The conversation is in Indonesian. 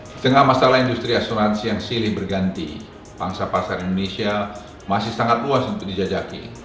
di tengah masalah industri asuransi yang silih berganti pangsa pasar indonesia masih sangat luas untuk dijajaki